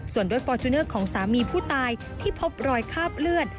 ส่วนรถฟอร์จูเนอร์ของสามีผู้ตายที่พบรอยคาบเลือด